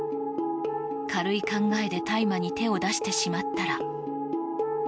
軽い考えで大麻に手を出してしまったら。